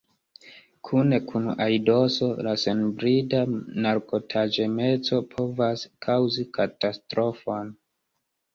Kune kun aidoso la senbrida narkotaĵemeco povas kaŭzi katastrofon.